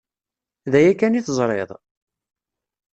D aya kan i teẓriḍ?